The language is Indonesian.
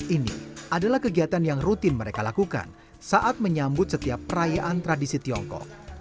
ini adalah kegiatan yang rutin mereka lakukan saat menyambut setiap perayaan tradisi tiongkok